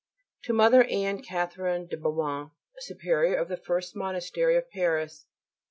_To Mother Anne Catherine de Beaumont, Superior of the First Monastery of Paris.